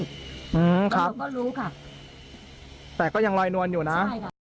ก็รู้ค่ะแต่ก็ยังลอยนวนอยู่นะ